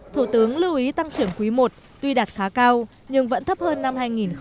thủ tướng lưu ý tăng trưởng quý i tuy đạt khá cao nhưng vẫn thấp hơn năm hai nghìn một mươi tám